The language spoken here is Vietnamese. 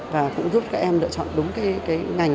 và cũng giúp các em lựa chọn đúng cái ngành